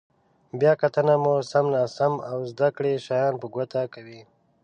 بیا کتنه مو سم، ناسم او زده کړي شیان په ګوته کوي.